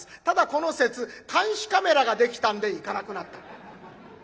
ただこの節監視カメラができたんで行かなくなった。